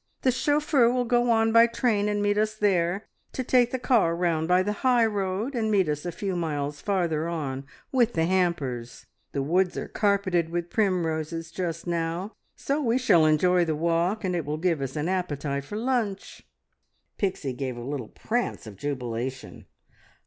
The chauffeur will go on by train and meet us there, to take the car round by the high road and meet us a few miles farther on with the hampers. The woods are carpeted with primroses just now, so we shall enjoy the walk, and it will give us an appetite for lunch." Pixie gave a little prance of jubilation.